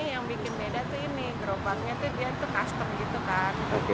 yang bikin beda tuh ini gerobaknya tuh dia tuh custom gitu kan